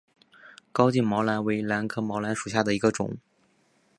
高茎毛兰为兰科毛兰属下的一个种。